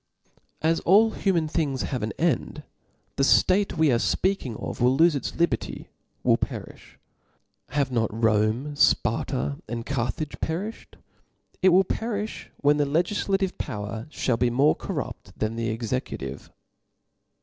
qj^"^ ^ As all human things have an end, the ftace we are fpeaking of will lofe its liberty, will periCh ? Have not Rome, Sparta, and Carthage perifhed ? It will perifti when the legiflative power (ball be more corrupt than the executive.